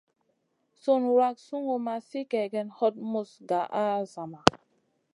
Sùn wrak sungu ma sli kègèna, hot muz gaʼa a zama.